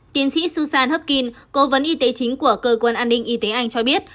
tiến sĩ susan hockin cố vấn y tế chính của cơ quan an ninh y tế anh cho biết